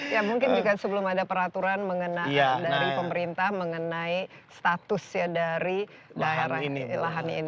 ya mungkin juga sebelum ada peraturan mengenai dari pemerintah mengenai statusnya dari lahan ini